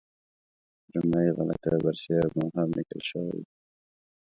پر املایي غلطیو برسېره مبهم لیکل شوی وو.